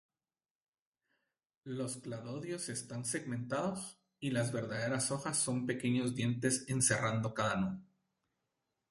Los cladodios están segmentados, y las verdaderas hojas son pequeños dientes encerrando cada nudo.